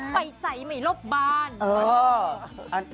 ไปใส่เหมาะบ้าน